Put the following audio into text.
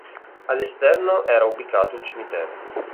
All'esterno era ubicato il cimitero.